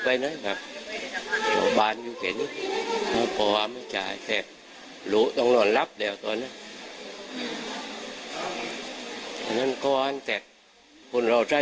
ก็ุ่งเราก็ยืมไม่ได้กันจริงก็คือไปกันแหละ